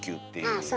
あそうね。